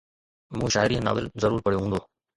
مون شاعري ۽ ناول ضرور پڙهيو هوندو